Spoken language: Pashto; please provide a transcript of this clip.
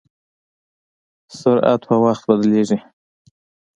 سرعت په وخت بدلېږي.